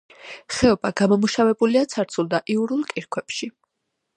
ხეობა გამომუშავებულია ცარცულ და იურულ კირქვებში.